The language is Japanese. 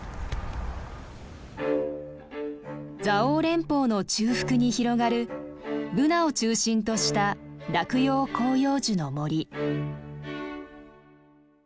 蔵王連峰の中腹に広がるブナを中心とした落葉広葉樹の森。